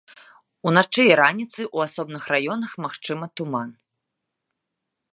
Уначы і раніцай у асобных раёнах магчымы туман.